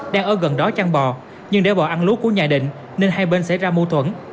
đang ở gần đó chăn bò nhưng để bò ăn lúa của nhà định nên hai bên xảy ra mâu thuẫn